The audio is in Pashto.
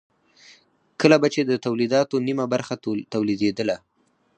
کله به چې د تولیداتو نیمه برخه تولیدېدله